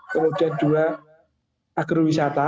kemudian dua agrowisata